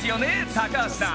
高橋さん。